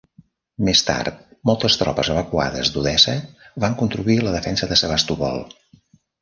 Més tard, moltes tropes evacuades d'Odessa van contribuir a la defensa de Sebastopol.